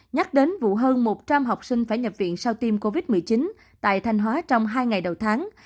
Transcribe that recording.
nhắc đến vụ hơn một trăm linh học sinh phải nhập viện sau tiêm covid một mươi chín tại thanh hóa trong hai ngày đầu tháng